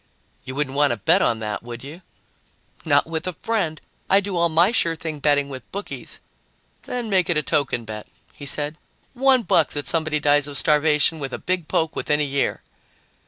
"You wouldn't want to bet on that, would you?" "Not with a friend. I do all my sure thing betting with bookies." "Then make it a token bet," he said. "One buck that somebody dies of starvation with a big poke within a year."